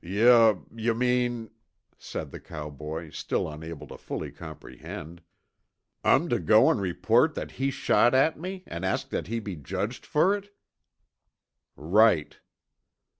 "Yuh yuh mean," said the cowboy, still unable to fully comprehend, "I'm tuh go an' report that he shot at me, an' ask that he be judged fer it?" "Right."